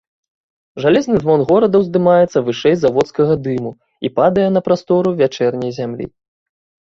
Жалезны звон горада ўздымаецца вышэй заводскага дыму і падае на прастору вячэрняй зямлі.